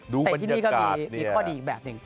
แต่ที่นี่ก็มีข้อดีอีกแบบหนึ่ง